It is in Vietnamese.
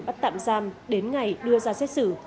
bắt tạm giam đến ngày đưa ra xét xử